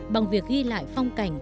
bằng việc ghi lại phong cảnh